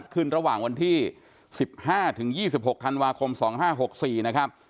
ขึ้นระหว่างวันที่๑๕๒๖ธันวาคม๒๕๖๔นะครับ